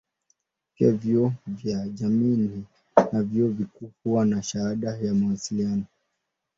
Pia vyuo vya jamii na vyuo vikuu huwa na shahada ya mawasiliano.